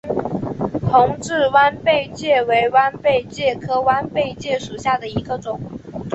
同志弯贝介为弯贝介科弯贝介属下的一个种。